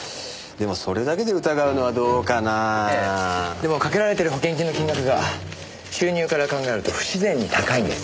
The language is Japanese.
でも掛けられてる保険金の金額が収入から考えると不自然に高いんです。